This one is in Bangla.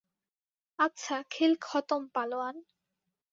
আচ্ছা, খেল খতম, পালোয়ান।